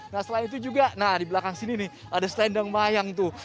nah selain itu juga nah di belakang sini nih ada selendang mayang tuh